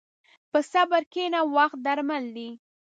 په صبر کښېنه، وخت درمل دی.